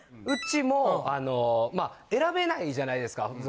ウチも選べないじゃないですか。